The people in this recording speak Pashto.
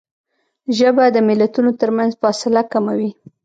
ژبه د ملتونو ترمنځ فاصله کموي